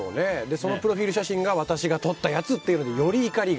そのプロフィール写真が私が撮ったやつっていうのでより怒りが。